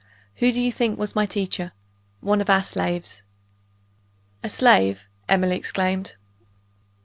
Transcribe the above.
Who do you think was my teacher? One of our slaves." "A slave!" Emily exclaimed.